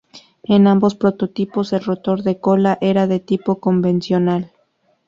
En ambos prototipos, el rotor de cola era de tipo convencional.